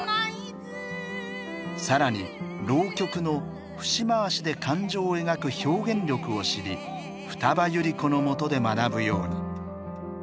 更に浪曲の節回しで感情を描く表現力を知り二葉百合子のもとで学ぶように。